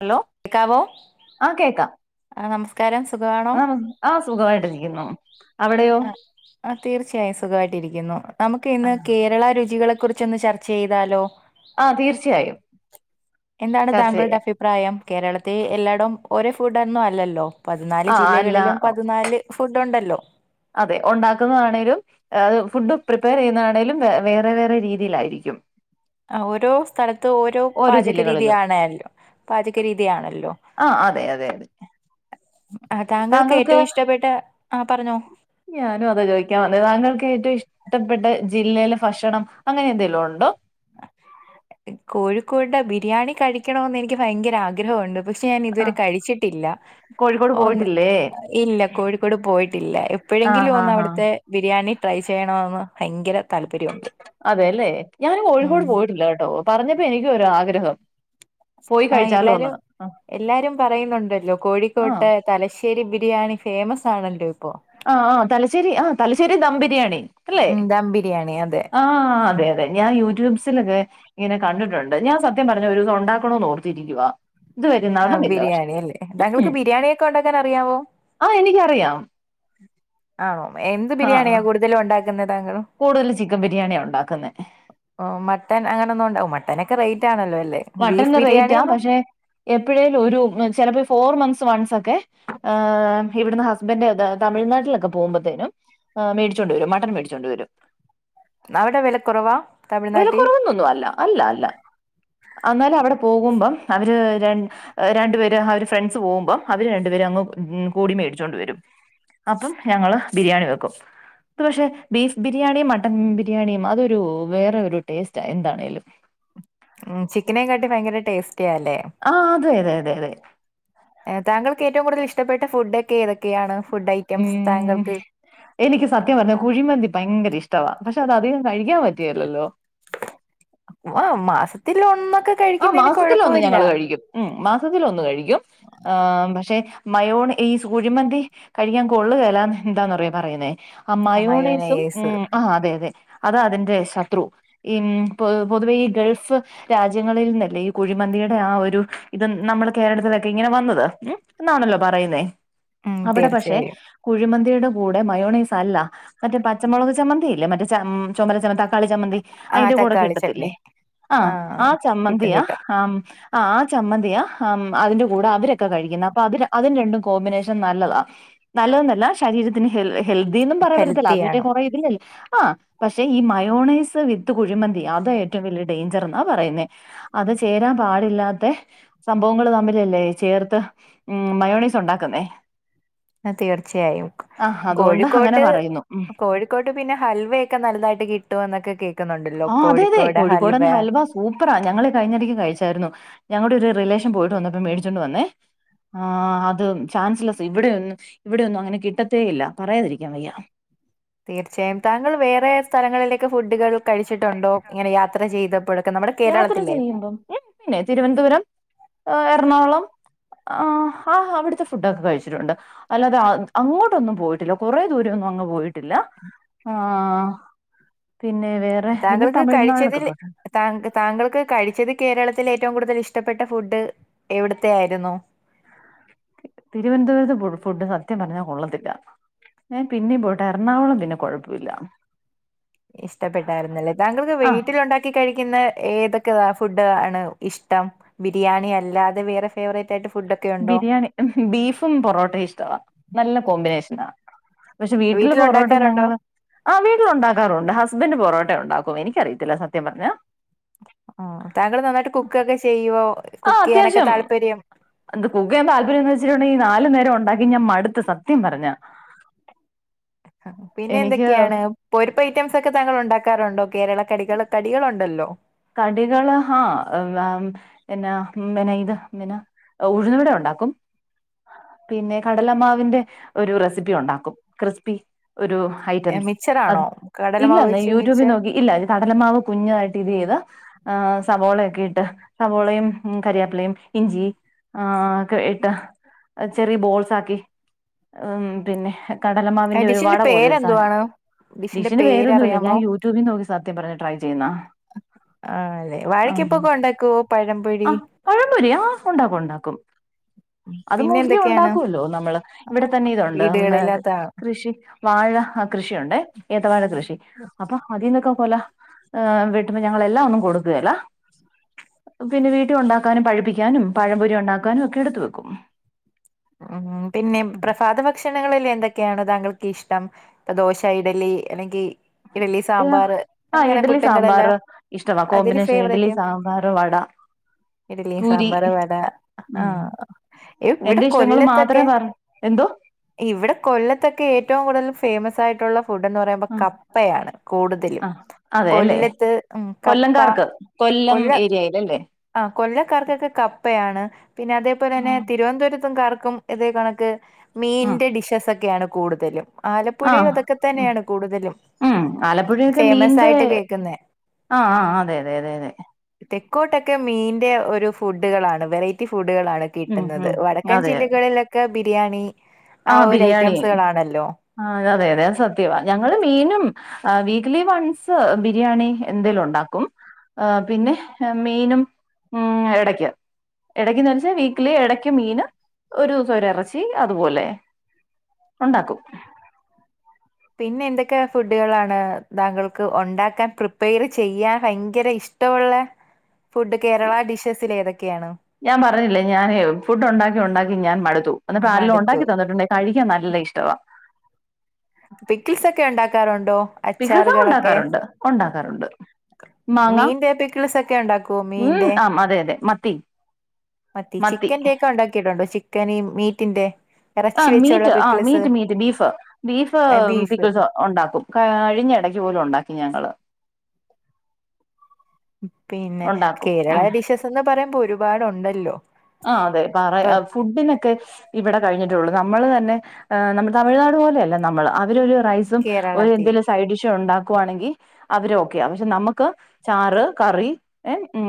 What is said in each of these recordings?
Hello കേക്കാവോ ആഹ് കേക്കാം. ആ നമസ്കാരം സുഖമാണോ? ആ ആ സുഖമായിട്ടിരിക്കുന്നു അവിടെയോ ആഹ് ആഹ് തീർച്ചയായും സുഖമായിട്ട്ിരിക്കുന്നു നമുക്ക് ഇന്ന് കേരള രുചികളെക്കുറിച്ചൊന്ന് ചർച്ച ചെയ്താലോ? ആഹ് തീർച്ചയായും. എന്താണ് ചർച്ച താങ്കളുടെ ചെയ്യാം അഭിപ്രായം? കേരളത്തിൽ എല്ലായിടും ഒരേ ഫുഡ്ന്നും അല്ലല്ലോ? പതിനാല് ആ അല്ല ജില്ലകളിലും പതിനാല് ഫുഡ് ഉണ്ടല്ലോ? അതെ ഉണ്ടാക്കുന്നതാണെേലും- അത് ഫുഡ് പ്രിപ്പയർ ചെയ്യുന്നതാണെങ്കലും വേറെ വേറെ രീതിയിലായിരിക്കും. ആഹ് ഓരോ സ്ഥലത്ത് ഓരോ പാചക രീതിയാണല്ലോ പാചക രീതിയാണല്ലോ? ആഹ് അതെ അതെ അതെ താങ്കൾക്ക് ഏറ്റവും ഇഷ്ടപ്പെട്ട ആഹ് പറഞ്ഞോ? ഞാനും അത ചോദിക്കാൻ വന്നത് താങ്കൾക്ക് ഏറ്റവും ഇഷ്ടം- ഇഷ്ടപ്പെട്ട ജില്ലയിലെ ഫക്ഷണം അങ്ങനെ എന്തെങ്കലും ഉണ്ടോ? കോഴിക്കോടെ ബിരിയാണി കഴിക്കണന്ന് എനിക്ക് ഭയങ്കര ആഗ്രഹമുണ്ട്. പക്ഷെ ഞാൻ ആ ഇതുവരെ കഴിച്ചിട്ടില്ല. കോഴിക്കോട് ഒന്ന് പോയിട്ടില്ലേ ഇല്ല കോഴിക്കോട് പോയിട്ടില്ല ആ എപ്പോഴെങ്കിലും ആ ഒന്ന് ആ അവിടുത്തെ- ബിരിയാണി ട്രൈ ചെയ്യണന്ന് ഭയങ്കര താല്പര്യണ്ട്. അതെല്ലേ ഞാന് കോഴിക്കോട് പോയിട്ടില്ല കേട്ടോ പറഞ്ഞപ്പോ എനിക്കൊ ര് ആഗ്രഹം പോയി ആഹ് എല്ലാരും കഴിച്ചാലോന്ന് ആ എല്ലാരും പറയുന്നുണ്ടല്ലോ ആ കോഴിക്കോട്ട്- തലശ്ശേരി ബിരിയാണി ഫേമസ് ആണല്ലോ ഇപ്പോ. ആഹ് ആ തലശ്ശേരി ആഹ് തലശ്ശേരി ദം ബിരിയാണി അല്ലേ? ഉം ദാം ബിരിയാണി അതെ. ആഹ് അതെ അതെ ഞാൻ യൂട്യൂബ്സിലൊക്കെ ഇങ്ങനെ കണ്ടിട്ടുണ്ട് ഞാൻ സത്യം പറഞ്ഞ ഒരു ദസം ഉണ്ടാക്കണോന്ന് ഓർത്തിയിരിക്കുവാ. ആഹ് ബിരിയാണി അല്ലേ താങ്കൾക്ക് ഉം ബിരിയാണിയ ഒക്കെ ഉണ്ടാക്കാൻ അറിയാവോ? ആഹ് എനിക്കറിയാം ഉ ആണോ എന്ത് ആഹ് ബിരിയാണിയാ ആഹ് കൂടുതലും ഉണ്ടാക്കുന്നത് താങ്കൾ? കൂടുതൽ ചിക്കൻ ബിരിയാണിയാ ഉണ്ടാക്കുന്നെ മട്ടൻ അങ്ങനെന്നും ഉണ്ടാവ മട്ടനൊക്കെ റേറ്റ് ആണല്ലോ അല്ലേ? മട്ടൻ ബീഫ് റേറ്റ ആ ബിരിയാണിയൊന്നും പക്ഷെ എപ്പോഴേലും ഒരു ചിലപ്പോ ഫോർ മന്ത്സ് വൺസ് ഒക്കെ- ഏഹ് ഇവിടുന്ന് ഹസ്ബൻഡ് തമിഴ്നാട്ടിലൊക്കെ പോകുമ്പത്തേനും- മേടിച്ചോണ്ട് വരും മട്ടൻ മേടിച്ചോണ്ട് വരും അവിടെ വില കുറവാ തമഴ്നാട്ടി? ന്നും അല്ല അല്ല അല്ല എന്നാലും അവിടെ പോകുമ്പം അവര് ര- രണ്ടുപേര് അവര് ഫ്രണ്ട്സ് പോകുമ്പം അവര് രണ്ടുപേര് അങ്ങ് കൂടി മേടിച്ചോണ്ട് വരും. അപ്പം ഞങ്ങള് ബിരിയാണി വെക്കും. ഇ പക്ഷെ ബീഫ് ബിരിയാണിയും മട്ടൻ ബിരിയാണിയും അതൊരു വേറെ ഒരു ടേസ്റ്റ് എന്താണേലും. ഉം ചിക്കന് കാട്ടി ഭയങ്കര ടേസ്റ്റിയല്ലേ? ആഹ് അതെയതെയാതെതെ തങ്കൾക്ക് ഏറ്റവും കൂടുതൽഷ്ടപ്പെട്ട ഫുഡൊക്കെ ഏതൊക്കെയാണ് ഫുഡയ്റ്റ് ഉം എനിക്ക് സത്യം പറഞ്ഞാ കുഴിമന്തി പയങ്കരഷ്ടവാ പക്ഷെ അത് അധികം കഴിക്കാൻ പറ്റിയല്ലല്ലോ ആഹ് മാസത്തിലൊന്നൊക്കെ ആഹ് മാസത്തിലൊന്ന് ഞങ്ങള് കഴിക്കും ഉം മാസത്തിലൊന്ന് കഴിക്കും ആഹ് പഷെ മയോൺ ഈസ് കുഴിമന്തി കഴിക്കാകൊള്ളുകേല എന്താന്നറിയാ പറയുന്നേ ആ മയോണൈസും ഉം ആഹ് അതെയതെ അതാ അതിന്റെ ശത്രു ഈ പൊ പൊതുവെ ഈ ഗൾഫ് രാജ്യ രാജ്യങ്ങളിൽ നിന്നല്ലേ ഈ കുഴിമന്തിയുടെ ആ ഒരു ഇത് നമ്മുടെ കേരളത്തിലൊക്കെ ഇങ്ങനെ വന്നത് ഉം എന്നാണല്ലോ പറയുന്നേ ഉം അവിടെ പഷെ തീർച്ചയായും. കുഴിമന്തിയുടെ കൂടെ മയോണോസല്ല മറ്റേ പച്ചമുളക് ചമ്മന്തിയില്ലേ മറ്റേ ച ചൊമല ച തക്കാളി ചമ്മന്തി ആഹ് അയിന്റെ കൂടെ തക്കാളി ചട്നി. കിട്ടത്തില്ലേ ആഹ് ആ കിട്ടും ചമ്മന്തിയാ കിട്ടും. ആ ആഹ് ആ ചമ്മന്തിയ അതിന്റെ കൂടെ അവരൊക്കെ കഴിക്കുന്നേ അപ്പൊ അത് ര അതിന് രണ്ടും കോമ്പിനേഷൻ നല്ലതാ നല്ലതന്നല്ല ശരീരത്തിന് ഹെൽ ഹെൽദിന്നും പറയാൻ പറ്റത്തില്ല അതുമറ്റെ ഹെൽത്തിയാണ്. കൊറ ഇതില്ലേ ആഹ് പഷെ ഈ മയോണൈസ് വിത്ത് കുഴിമന്തി അതാ ഏറ്റവും വലിയ ഡെഞ്ചറെന്ന് ആഹ് പറയുന്നേ അത് ചേരാൻ പാടില്ലാത്തെ സംഭവങ്ങള് തമ്മിലല്ലേ ചേർത്ത് ഉം മയോസൈസ് ഒണ്ടാക്കുന്നേ ആ തീർച്ചയായും ആഹ് അതുകൊണ്ട് അങ്ങനെ കോഴിക്കോട്ട് പറയുന്നു ഉം കോഴിക്കോട്ട് പിന്നെ ഹൽവയൊക്കെ നൽതായിട്ട് കിട്ടും എന്നൊക്കെ കേക്കുന്നുണ്ടല്ലോ ആഹ് അതെ അതെ കോഴിക്കോട് ഹൽവ കോഴിക്കോടൻ സൂപ്പറാ ഞങ്ങള് കഴിഞ്ഞിടയ്ക്ക് കഴിച്ചായിരുന്നു ഞങ്ങളുടെ ഒരു റിലേഷൻ പോയിട്ട് വന്നപ്പോ മേടിച്ചോണ്ട് വന്നേ ആ അത് ചാൻസലസ് ഇവിടെന്നും ഇവിടെന്നും അങ്ങനെ കിട്ടത്തേ ഇല്ല പറയാതിരിക്കാം വയ്യ തീർച്ചയായും താങ്കൾ വേറെ സ്ഥലങ്ങളിലേക്കെ ഫുഡുകൾ കഴിച്ചിട്ടുണ്ടോ ഇങ്ങനെ യാത്ര ചെയ്തപ്പോഴക്ക യാത്ര ചെയ്യുമ്പം പിന്നെ തിരുവനന്തപുരം എറണാകുളം ആഹ് ആ അവിടുത്തെ ഫുഡൊക്കെ കഴിച്ചിട്ടുണ്ട് അല്ലാതെ അങ്ങോട്ടൊന്നും പോയിട്ടില്ല കൊറേ ദൂരം ഒന്നും അങ്ങ് പോയിട്ടില്ല ആഹ് പിന്നെ വേറെ പിന്നെ തമിഴ്നാടൊക്കെ പോട്ടുണ്ട് താങ്ക താങ്കൾക്ക് കഴിച്ചത് കേരളത്തിലേറ്റവും കൂടുതൽ ഇഷ്ടപ്പെട്ട ഫുഡ് എവിട്ത്തെയായിരുന്നു? തിരുവൻന്തപുരത്ത് ഫു ഫുഡ് സത്യം പറഞ്ഞാ കൊള്ളത്തില്ല. ഞൻ പിന്നെ പോയിട്ടെ എറണാകുളം പിന്നെ കൊഴപ്പല്ലൃ. ഇഷ്ടപ്പെട്ടായിര്ന്നല്ലേ താങ്കൾക്ക് ആഹ് വീട്ടിലുണ്ടാക്കി ക്കി കഴിക്കുന്ന ഏതൊക്കെ ഫുഡ് ആണ് ഇഷ്ടം. ബിരിയാണി അല്ലാതെ വേറെ ഫേവറേറ്റായിട്ട് ഫുഡ ബിരിയാണി ബീഫും പൊറോട്ടയും ഇഷ്ടവാ നല്ല കോമ്പിനേഷനാ. പഷെ വീട്ടില് പൊറോട്ട വീട്ടിലുണ്ടാക്കാറുണ്ടോ? ഞങ്ങള്. ആഹ് വീട്ടിലുണ്ടാക്കാറുണ്ട് ഹസ്ബൻ്റ് പൊറോട്ട ഒണ്ടാക്കും എനിക്കറിയത്തില്ല സത്യം പറ്ഞ്ഞാ. ആഹ് താങ്കള് നന്നായിട്ട് കുക്കൊക്കെ ചെയ്യുവോ? ആഹ് കുക്ക് ചെയ്യാനൊക്കെ അത്യാവശ്യം. താല്പര്യം? എന്ത് കുക്ക്യ്യാ താല്പര്യം എന്നവച്ചിണ്ടെങ്കിൽ നാലു നേരം ഒണ്ടാക്കി ഞാൻ മട്ത്ത് സത്യം പറഞ്ഞാ. പിന്നെ എനിക്ക് എന്തൊക്കെയാണ്? പൊരിപ്പ് ഐറ്റംസ് ഒക്കെ താങ്കളുണ്ടാക്കാറുണ്ടോ കേരള കടികൾ കടികളുണ്ടല്ലോ. കടികള് ഹാ ന്ന പിന്നാ പിന്നത് പിന്ന. ഉഴുന്ന് വട ഒണ്ടാക്കും. പിന്നെ കടലമാവിന്റെ ഒരു റെസിപ്പി ഒണ്ടാക്കും ക്രിസ്പി ഒരു ഏ, ഐറ്റംസ് അത് മിച്ചറാണോ? കടലമാവ് ഇല്ലന്ന് വെച്ച് മിച്ചർ? യൂട്യൂബിൽ നോക്കി ഇല്ല ഇത് കടലമാവ് കുഞ്ഞു ആയിട്ട് ഇതയ്ത്. ആഹ് സവോളയൊക്കെ ഇട്ട് സവോളയും കരിയാപ്പ്ലയും ഇഞ്ചി. ആഹ് ക്കെ ഇട്ട് ചെറിയ ബോൾസാക്കി ഹ് ഉം പിന്നെ. കടല ആ മാവിന്റെ ഒരു ഡിഷിന്റെ വട പോലൊരു സാനം. പേരെന്തുവാണ് ഡിഷിന്റെ ഡിഷിന് പോരൊന്നുല്ല ഞാ പേരറിയാമോ യൂട്യൂബി നോക്കി സത്യം പറ്ഞ്ഞാ ട്രൈ ചെയ്യ്ന്നാ. ആഹ് ല്ലെ വാഴക്കപ്പൊക്കെ ഒണ്ടാക്കുവോ പഴംപൊരി. പഴമ്പൊരി ആഹ് ഉണ്ടാക്കും ഉണ്ടാക്കും. ഉം. അത് പിന്നെ മോസ്റ്റ്ലി എന്തൊക്കെയാണ് ഉണ്ടാക്കുവല്ലോ നമ്മള് ഇവിടെ തന്നെ ഇതുണ്ട് ഉം വീടുകളിൽ അതാ കൃഷി. വാഴ കൃഷിയുണ്ട് ഏത്തവാഴ കൃഷി അപ്പൊ അതിൽന്നൊക്കെ കൊല. ഏഹ് വെട്ടുമ്പ ഞങ്ങള് എല്ലാം ഒന്നും കൊടുക്കേല്ല. പിന്നെ വീട്ടിൽ ഉണ്ടാക്കാനും പഴിപ്പിക്കാനും പഴംമ്പെരി ഉണ്ടാക്കാനും ഒക്കെ എട്ത്തു വെക്കും. ഉം പിന്നെ പ്രഫാത ഭക്ഷണങ്ങളിൽ എന്തൊക്കെയാണ് താങ്കൾക്ക് ഇഷ്ടം? ദോശ ഇഡലി അല്ലെങ്കി. ഇഡ്ലി സാമ്പാറ് ആ അങ്ങനെ ഇഡ്ലി പുട്ടും കടല സാമ്പാർ ഇഷ്ടവാ അതില് കോമ്പിനേഷൻ ഇഡ്ലി ഫേവറേറ്റ്. സാമ്പാർ വട ഇഡ്ലി പൂരി സാമ്പാറ് വട ഉം ആഹ് ഇവിടെ എന്റെ കു ഇഷ്ടങ്ങൾ മാത്രമേ കൊല്ലത്തൊക്കെ പറ എന്തോ ഇവടെ കൊല്ലത്തൊക്കെ ഏറ്റവും കൂടുതല് ഫേമസ് ആയിട്ടുള്ള. ഫുഡ്ന്ന് പറയുമ്പോ ആ കപ്പയാണ് കൂടുതലും ആ അതെല്ലേ കൊല്ലത്ത് ഉം കപ്പ. കൊല്ലംകാർക്ക് കൊല്ലം ഏരിയയില്. ആഹ് കൊല്ലക്കാർക്കൊക്കെ കപ്പയാണ് പിന്നെ അതേപോലെ തന്നെ ഉം തിരുവന്തേര് ത്ത്ക്കാർക്കും ഇതേ കണക്ക് മീന്റെ ഡിഷസെക്കെയാണ് കൂടുതലും. ആ ആലപ്പുഴയും അതൊക്കെ തന്നെയാണ് കൂടുതലും ഉം ഫേമസായിട്ട് കേക്കുന്നെ. ആഹ് ആഹ് അതെ അതെ അതെ അതെ. തെക്കോട്ടൊക്കെ മീന്റെ ഒരു ഫുഡുകളാണ് വെറൈറ്റി ഫുഡുകളാണ് ഉം കിട്ടുന്നത് ഉം വട അതെ അതെ ലക്കെ ബിരിയാണി ആഹ് ഒരു ഐറ്റംസുകളാണല്ലോ. ആഹ് അതെ അതെ അത് സത്യവാ ഞങ്ങള് മീനും. ആഹ് വീക്ക്ലി വൺസ് ബിരിയാണി എന്തേലും ഉണ്ടാക്കും. ആഹ് പിന്നെ മീനും ഉം എടയ്ക്ക്. എടയ്ക്ക്ന്ന് വച്ചാ വീക്ക്ലി എടയ്ക്ക് മീന് ഒരൂസം ഒരു എറച്ചി അതുപോലെ. ഉണ്ടാക്കും. പിന്നെ എന്തൊക്കെ ഫുഡുകളാണ് താങ്കൾക്ക് ഒണ്ടാക്കാൻ പ്രിപ്പയർ ചെയ്യാൻ ഭയങ്കര ഇഷ്ടമുള്ള ഫുഡ് കേരള ഡിഷസില് ഏതൊക്കെയാണ്? ഞാൻ പർഞ്ഞില്ലേ ഞാന് ഫുഡ് ഒണ്ടാക്കി ഒണ്ടാക്കി ഞാൻ മടുത്തു. ഉം എന്ന്ട്ട് ആരേലും മടുത്തു ഒണ്ടാക്കി തന്നട്ടുണ്ടെ കഴിക്കാൻ നല്ല ഇഷ്ടവാ പിക്കിൾസക്കെ ഒണ്ടാക്കാറൊണ്ടോ? പിക്കിൾസെക്കെ ഒണ്ടാക്കാറുണ്ട് ഒണ്ടാക്കാറുണ്ട്. മാങ്ങ മീന്റെ പിക്കിൾസ് ഒക്കെ ഉണ്ടാക്കുവോ ഉം മീന്റെ ആഹ് അതെ അതെ മത്തി മത്തി ചിക്കന്റെയൊക്കെ ഉണ്ടാക്കിട്ടുണ്ടോ ചിക്കന് മീറ്റിന്റെ ഇറച്ചി ആഹ് വെച്ചുള്ള മീറ്റ് ആ pickles meat meat beef beef beef pickles ഒണ്ടാക്കും. കഴിഞ്ഞ എടക്ക് പോലും ഒണ്ടാക്കി ഞങ്ങള് പിന്നെ ഉണ്ടാക്കും കേരള ഉം ഡിഷസ് എന്ന് പറയുമ്പൊ ഒരുപാടുണ്ടല്ലോ ആഹ് അതെ പറ ഇപ്പൊ ഫുഡിനൊക്കെ ഇവടെ കഴിഞ്ഞിട്ടെള്ളൂ. നമ്മള് തന്നെ ഏ നമ്മ തമിഴ്നാട് പോലെയല്ലേ നമ്മള് അവരൊരു റൈസും ഒര് കേരളത്തിൽ എന്തെലും സൈഡ് ഡിഷ് ഉണ്ടാക്കുവാണങ്കി അവര് ഓക്കെ പക്ഷെ നമ്മക്ക് ചാറ്, കറി ഉം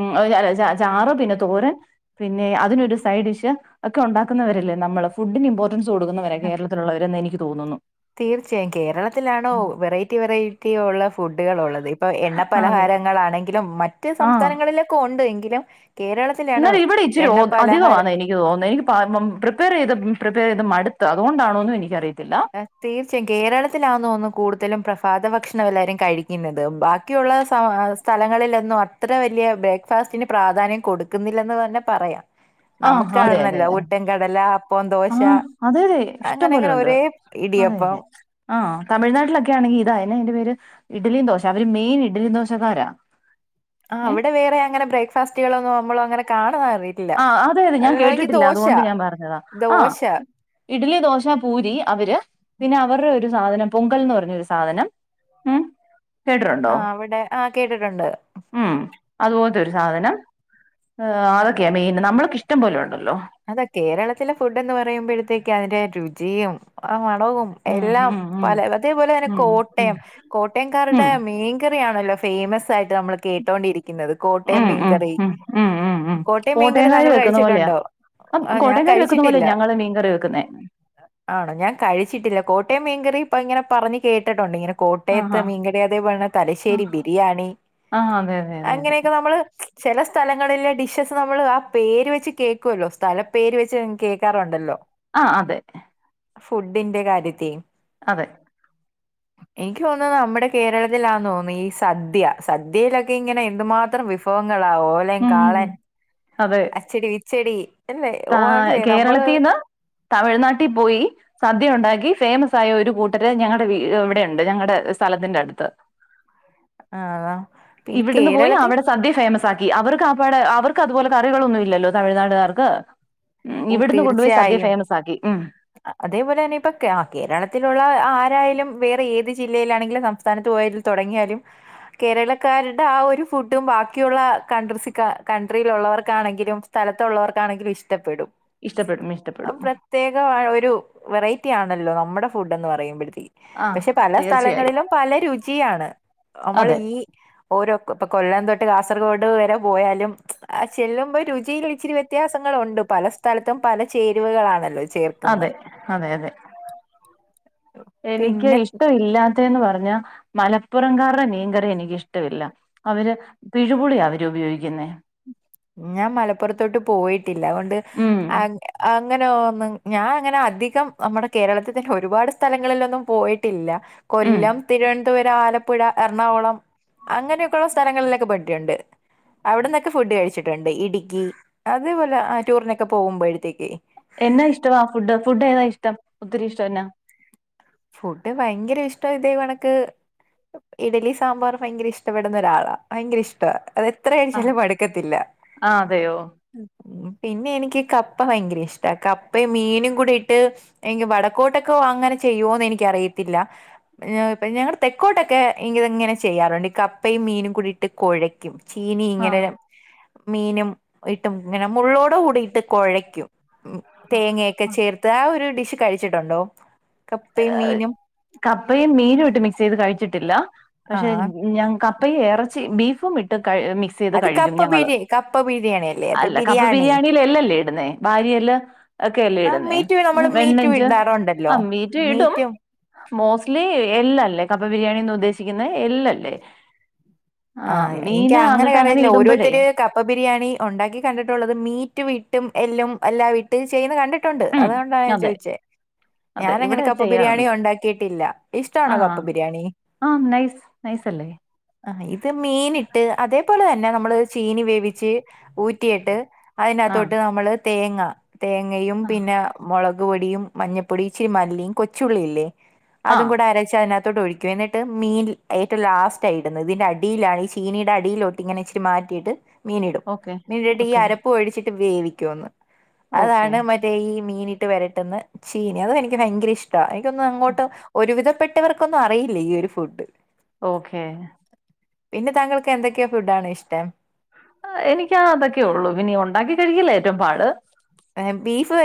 ചാറ് പിന്നെ തോരൻ പിന്നെ അതിനൊരു സൈഡ് ഡിഷ് ഒക്കെ ഒണ്ടാക്കുന്നവരല്ലേ നമ്മള് ഫുഡ്ന് ഇമ്പോ ർട്ടന്റ്സ് കൊടുക്കുന്നവരാ ആ, കേരളത്തിലുള്ളവരെന്ന് എനിക്ക് തോന്നുന്നു തീർച്ചയായും കേരളത്തിലാണോ വെറൈറ്റി വെറൈറ്റി ഉള്ള ഫുഡുകള് ഉള്ളത് ഇപ്പോ എണ്ണ അതെ പലഹാരങ്ങ ങ്ങളാണങ്കിലും മറ്റ് ആഹ് സംസ്ഥാനങ്ങളിലൊക്കെ ഉണ്ട് എങ്കിലും കേരള ഇന്നല് ഇവിടെ ഇച്ചിരി ഓ അധികവാണ് എനി ക്ക് തോന്ന എനിക്ക് പ്രിപ്പയറെയ്ത് പ്രിപ്പയറെയ്ത് മട്ത്ത് അതുകൊണ്ടാണോന്നും എനിക്കറിയത്തില്ല തീർച്ചയായും കേരളത്തിലാന്നോ ഒന്ന് കൂടുതലും പ്രഭാത ഭക്ഷണം എല്ലാവരും കഴിക്കുന്നത് ബാക്കിയുള്ള സ സ്ഥലങ്ങളിലെന്നും അത്ര വല്ല്യ ബ്രേക്ക്ഫാസ്റ്റിന് പ്രാധാന്യം കൊടുക്കുന്നില്ലെന്ന് തന്നെ പറയാം. ആഹ് അതെ അതെ നമക്കാണല്ലോ ഊട്ടം, കടല, അപ്പം, ദോശ ആഹ് അതെ അതെ ഇഷ്ടം അങ്ങനെ പോലെ അങ്ങനെ ഉണ്ട് ഒരേ അതെ ഇടിയപ്പം അതെ ആഹ് തമിഴ്നാട്ടിലൊക്കെ ആണെങ്കി ഇതായനെ അയിന്റെ പേര് ഇഡ്ലിം ദോശ അവര് മെയിൻ ഇഡലി ദോശക്കാരാ ആഹ് ഏഹ് അവിടെ വേറെ അങ്ങനെ ബ്രേക്ക്ഫാസ്റ്റുകളെന്നും നമ്മള് അങ്ങനെ കാണാ ആഹ് അതെ അതെ ഞാൻ കേട്ടിട്ടില്ല അതുകൊണ്ട് ഞാൻ പറഞ്ഞതാ ആഹ് ദോശ ഇഡ്ലി, ദോശ, പൂരി അവര് പിന്നെ അവരുടെ ഒരു സാധനം പൊങ്കൽന്ന് പർഞ്ഞൊരു സാധനം ഉം കേട്ടിട്ടുണ്ടോ ആഹ് അവടെ ആഹ് കേട്ടിട്ടുണ്ട് ഉം അതു പോത്തെരു സാധനം അതൊക്കെയാ മെയിന് നമ്മൾക്ക് ഇഷ്ടം പോലെണ്ടല്ലോ അതാ കേരളത്തിലെ ഫുഡ്ന്ന് പറയുമ്പഴത്തേക്ക് അതിന്റെ രുചിയും ആ മണവും ഉം എല്ലാം ഉം ഉം പല അതേപോലെ തന്നെ ഉം ഉം കോട്ടയം കോട്ടയംകാരുടെ ഉം മീൻകറിയാണല്ലോ ഫേമസ് ആയിട്ട് നമ്മൾ കേട്ടോണ്ടിരിക്കുന്നത്. കോട്ടയം ഉം മീൻകറി ഉം ഉം ഉം കോട്ടയം മീൻകറി ക്കാര് താങ്കൾ വെക്കുന്ന പോലെയ കഴിച്ചിട്ടുണ്ടോ ആഹ് ആ ഞാൻ കോട്ടയം ക്കാര് വെക്കുന്ന പോലെയാ കഴിച്ചിട്ടില്ല ഞങ്ങള് മീൻകറി വെക്കുന്നെ ആണോ ഞാൻ കഴിച്ചിട്ടില്ല. കോട്ടയം മീൻകറി ഇപ്പ ഇങ്ങനെ പറഞ്ഞ്‌ കേട്ടിട്ടുണ്ട് ഇങ്ങനെ ആഹാ കോട്ടയത്ത് മീൻ കറി അതേപോലെന്നെ ആ തലശ്ശേരി ബിരിയാണി ആ അതെ അതെ അതെ അതെ അങ്ങനെയൊക്കെ നമ്മള് ചെല സ്ഥലങ്ങളിലെ ഡിഷസ് നമ്മള് ആ പേര് വെച്ച് കേക്കൊല്ലോ തല പേര് വെച്ച് കേക്കാറുണ്ടല്ലോ ആഹ് അതെ ഫുഡിന്റെ കാര്യത്തി അതെ എനിക്ക് തോന്നുന്നത് നമ്മുടെ കേരളത്തിലാന്ന് തോന്നുന്നെ ഈ സദ്യ സദ്യയിലൊക്കെയിങ്ങനെ എന്തുമാത്രം വിഭവ ങ്ങളാ ഓലൻ, ഉം ഉം കാളൻ, ഉം അച്ചടി, കിച്ചെടി ആഹ് കേരളത്തീന്ന് തമിഴ്നാട്ടി പോയി സദ്യയുണ്ടാക്കി ഫേമസായ ഒരു കൂട്ടര് ഞങ്ങളുടെ ഇവിടെയുണ്ട് ഞങ്ങടെ സ്ഥലത്തിന്റെടുത്ത് [inaudible] ആ പിന്നെ ഇവിടുന്ന് പോയി കേരളത്തിൽ അവിടെ സദ്യ ഫേമസാക്കി അവർകാപ്പാടെ അവർക്ക് അതുപോലെ കറികളൊന്നുംല്ലല്ലോ തമിഴ്നാട്ടുകാർക്ക് ഉം ഓ ഇവിടന്ന് കൊണ്ടുപോയി സദ്യ ഫേമസാക്കി ഉം അതേപോലെന്നെ ഇപ്പൊ കേരളത്തിലുള്ള ആരായാലും വേറെ ഏത് ജില്ലയിലാണെങ്കിലും നമ്മ സ്ഥാനത്ത് പോയിട്ട് തൊടങ്ങിയാലും കേരളക്കാരുടെ ആ ഒരു ഫുഡും ബാക്കിയുള്ള കൺട്രീസ് കൺട്രിയിലുള്ളവർക്കാണെങ്കിലും സ്ഥലത്തുള്ളവർക്കാണെങ്കിലും ഇഷ്ടപ്പെടും ഇഷ്ടപ്പെടും ഇഷ്ടപ്പെടും ആ പ്രത്യേകവായൊരു വെറൈറ്റിയാണല്ലോ നമ്മുടെ ഫുഡെന്ന് പറയുമ്പഴത്തേക്ക് ആ പക്ഷെ പല തീർച്ചയായും സ്ഥലങ്ങളിലും പല രുചിയാണ് നമ്മൾ അതെ ഈ ഓരോ ഇപ്പൊ കൊല്ലം തൊട്ട് കാസർഗോഡ് വരെ പോയാലും ആ ചെല്ലുമ്പോ രുചിയിലിച്ചിരി വ്യത്യാ സങ്ങളുണ്ട് പല സ്ഥലത്തും പല ചേരുവകളാണല്ലോ അതെ ചേർക്കുന്നത് അതെ അതെ എനിക്ക് പിന്നെ ഇഷ്ടവില്ലാത്തേ ന്ന് പറഞ്ഞാ മലപ്പുറംകാരുടെ മീൻകറി എനിക്കിഷ്ടവില്ല അവര് പിഴുപുളിയവര് ഉപയോഗിക്കുന്നേ ഞാൻ മലപ്പുറത്തോട്ട് പോയിട്ടില്ല അതൊണ്ട് ഉം അങ്ങ അങ്ങനെയൊന്നും ഞാനങ്ങനെ അധികം നമ്മുടെ കേരളത്തി തന്നെ ഒരുപാട് സ്ഥലങ്ങളിലൊന്നും പോയിട്ടില്ല ഉം കൊല്ലം, തിരുവനന്തപുരം, ആലപ്പുഴ, എറണാകുളം അങ്ങനെയൊക്കെയൊള്ള സ്ഥലങ്ങളിലൊക്കെ പോയിട്ടുണ്ട് അവിടൊന്നൊക്കെ ഫുഡ് കഴിച്ചിട്ട്ണ്ട് ഇടുക്കി അതേപോലെ ആ ടൂറിനൊക്കെ പോകുമ്പോഴത്തേക്ക് എന്നായിഷ്ടവാ ഫുഡ് ഫുഡേതായിഷ്ടം ഒത്തിരിയിഷ്ടം എന്നാ? ഫുഡ് ഭയങ്കരയിഷ്ട ഇതേ കണക്ക് ഇഡലിയും സാമ്പാറും ഭയങ്കര ഇഷ്ടപ്പെടുന്നൊരാളാ ഭയങ്കരയിഷ്ടാ അത് എത്ര ആ കഴിച്ചാലും മട്ക്കത്തില്ല ആ അതെയോ പിന്നെയെനിക്ക് ഈ കപ്പ ഭയങ്കരയിഷ്ട കപ്പയും മീനും കൂടെയിട്ട് എനിക്ക് വടക്കോട്ടൊക്കെ അങ്ങനെ ചെയ്യോന്ന് എനിക്കറിയത്തില്ല ഞങ്ങള് തെക്കോട്ടൊക്കെ ഇ ഇങ്ങനെ ചെയ്യാറുണ്ട് ഈ കപ്പയും മീനും കൂടിയിട്ട് കുഴയ്ക്കും ആ ചീനിയിങ്ങനെ മീനും ഇട്ട് ഇങ്ങനെ മുള്ളോട് കൂടിയിട്ട് കുഴയ്ക്കും തേങ്ങയൊക്കെ ചേർത്ത് ആ ഒരു ഡിഷ് കഴിച്ചിട്ടുണ്ടോ? കപ്പയും മീനും കപ്പയും മീനുവിട്ട് മിക്സെയ്ത് കഴിച്ചിട്ടില്ല ആ പക്ഷെ ഞാങ്ങ കപ്പ യും എറച്ചി ബീഫും ഇട്ട് കഴു മിക് സെയ്ത് അത് കഴിക്കും കപ്പ ഞങ്ങള് ബിരി കപ്പ ബിരിയാണി അല്ലേ അത് അല്ല കപ്പ ബിരിയാണി ബിരിയാണിയില് എല്ലല്ലേയിടുന്നേ വാരിയെല്ല്? ആ ഒക്കെയല്ലയിടുന്നേ? മീറ്റ് നമ്മള് മീറ്റ് വെണ്ണഞ്ച് ആ ഇടാറുണ്ടല്ലോ മീറ്റ് യിടും മീറ്റും മോസ്റ്റ്ലി എല്ല അല്ലേ കപ്പ ബിരിയാണിന്ന് ഉദ്ദേശിക്കുന്നേ? എല്ലല്ലേ? ആ ആഹ് മീന് എനിക്കങ്ങനെ എന്നിട്ട് അങ്ങനെ അറിയില്ല ഇടുമ്പഴേ ഓരോത്തര് കപ്പ ബിരിയാണി ഉണ്ടാക്കി കണ്ടിട്ടുള്ളത് മീറ്റ് വിട്ടും എല്ലും എല്ലാം ഇട്ട് ചെയ്യുന്ന കണ്ടിട്ട് ണ്ട് ഉം അതുകൊണ്ടാ ഞാൻ അതെ ചോദിച്ചേ അതെ ഞാനങ്ങനെ ഇവിടെ കപ്പ ബിരിയാണി ചെയ്യാറുണ്ട് ഒണ്ടാക്കിയിട്ടില്ല ഇഷ്ടാണോ ആഹ് കപ്പ ബിരിയാണി? ആഹ് നൈസ് നൈസല്ലേ? ആ ഇത് മീനിട്ട് അതേപോലെ തന്നെ നമ്മള് ചീനി വേവിച്ച് ഊറ്റിയിട്ട് ആഹ് അതിനകത്തോട്ട് നമ്മൾ തേങ്ങ തേങ്ങയും ആഹ് പിന്നെ മുളക് പൊടിയും മഞ്ഞപ്പൊടിയും ഇച്ചിരിമല്ലിയും കൊച്ചുള്ളില്ലേ അതും ആഹ് കൂടെ അരച്ച് അതിനകത്ത് തൊട്ട്ഒഴിക്ക്യാ എന്നിട്ട് മീന് അയിൻ്റെ ലാസ്റ്റ് ഇടുന്നേ പിന്നെ അടിലായി ഈ ചീനീയുടെ അടിയിലോട്ട് ഇങ്ങനെച്ചരി മാറ്റിട്ട് മീൻ ഇടും ഓക്കെ ഇന്നട്ട് ഈ ഓക്കെ അരപ്പ് ഒഴിച്ചിട്ട് വേവിക്കൊന്ന് ഓക്കെ അതാണ് മറ്റ മീനിട്ട് വരട്ടുന്ന ചീനി അതു എനിക്ക് ഭയങ്കര ഇഷ്ടാ എനിക്കൊന്ന് അങ്ങോട്ട് ഒരു വിധപ്പെട്ട മറ്റവർക്കൊന്നും അറിയില്ല ഈ ഒരു ഫുഡ് ഓക്കേ പിന്നെ താങ്കൾക്ക് എന്തൊക്കെയാ ഫുഡാണ് ഇഷ്ടം എനിക്ക് അതൊക്കെ ഉള്ളു പിന്നീട് ഉണ്ടാക്കി കഴിക്കില്ലേ ഏറ്റവും പാട് ഏബീഫ് വര